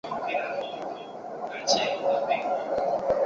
大塞尔维亚是塞尔维亚民族主义者所提出的民族统一主义概念。